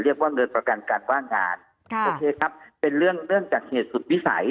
เรียกว่าเงินประกันการว่างงานโอเคครับเป็นเรื่องเนื่องจากเหตุสุดวิสัย